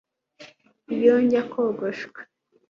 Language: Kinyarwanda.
iyo njya kogoshwa